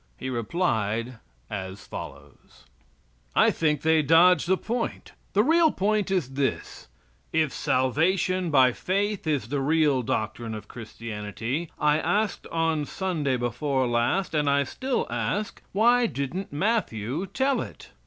He replied as follows: I think they dodge the point. The real point is this: If salvation by faith is the real doctrine of Christianity, I asked on Sunday before last, and I still ask, why didn't Matthew tell it?